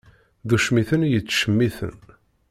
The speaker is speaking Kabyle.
D ucmiten i yettcemiten.